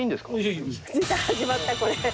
始まったこれ。